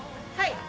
はい。